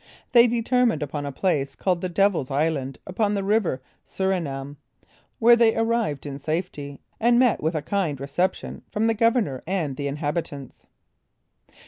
They determined upon a place called the Devil's Island upon the river Surinam, where they arrived in safety, and met with a kind reception from the governor and the inhabitants.